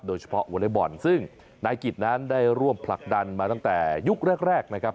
โดยเฉพาะวอเล็กบอลซึ่งนายกิจนั้นได้ร่วมผลักดันมาตั้งแต่ยุคแรกนะครับ